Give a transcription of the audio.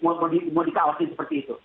mau dikawasi seperti itu